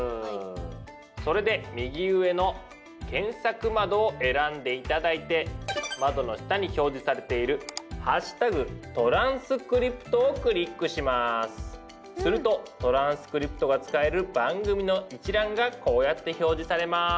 それで右上の検索窓を選んで頂いて窓の下に表示されているするとトランスクリプトが使える番組の一覧がこうやって表示されます。